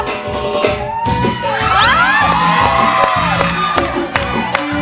แม่มายไง